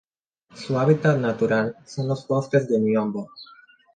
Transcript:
Su hábitat natural son los bosques de miombo.